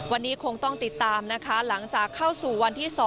วันนี้คงต้องติดตามนะคะหลังจากเข้าสู่วันที่๒